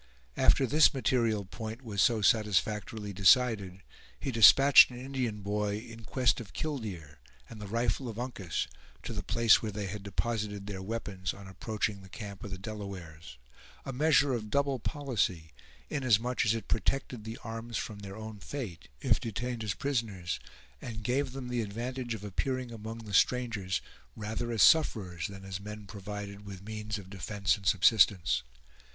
After this material point was so satisfactorily decided, he despatched an Indian boy in quest of "killdeer" and the rifle of Uncas, to the place where they had deposited their weapons on approaching the camp of the Delawares; a measure of double policy, inasmuch as it protected the arms from their own fate, if detained as prisoners, and gave them the advantage of appearing among the strangers rather as sufferers than as men provided with means of defense and subsistence.